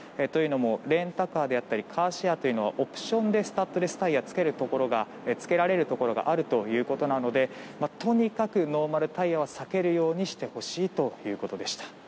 というのもレンタカーであったりカーシェアというのはオプションでスタッドレスタイヤなどを付けられるところがあるということなのでとにかくノーマルタイヤは避けるようにしてほしいということでした。